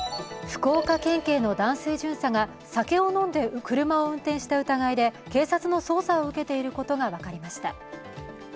福岡県警の男性巡査が酒を飲んで車を運転した疑いで警察の捜査を受けていることが分かりました。